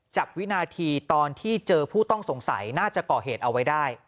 วินาทีตอนที่เจอผู้ต้องสงสัยน่าจะก่อเหตุเอาไว้ได้